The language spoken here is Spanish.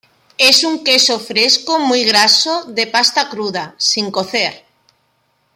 Es un queso fresco muy graso de pasta cruda, sin cocer.